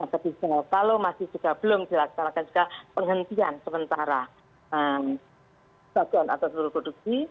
kalau masih juga belum dilaksanakan juga penghentian sementara bagian atau seluruh produksi